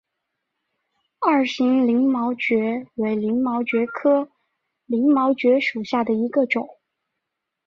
二型鳞毛蕨为鳞毛蕨科鳞毛蕨属下的一个种。